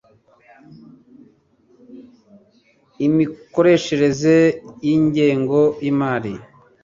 y imikoreshereze y ingengo y’imari